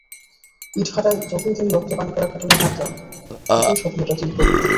ইটভাটায় যতই তিনি রক্ত পানি করা খাটুনি খাটতেন, ততই স্বপ্নটা তীব্র হতো।